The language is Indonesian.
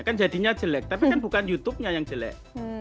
kan jadinya jelek tapi kan bukan youtubenya yang jelek